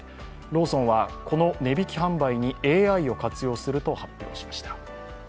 ローソンはこの値引き販売にＡＩを活用すると発表しました。